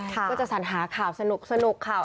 ก็จะสัญหาข่าวสนุกข่าว